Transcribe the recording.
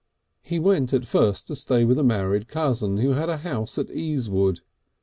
He went at first to stay with a married cousin who had a house at Easewood.